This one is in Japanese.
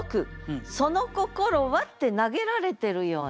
その心は？って投げられてるような。